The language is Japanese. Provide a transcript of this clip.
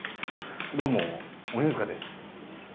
どうも鬼塚です。